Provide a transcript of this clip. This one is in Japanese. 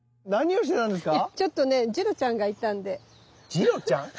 ジロちゃん？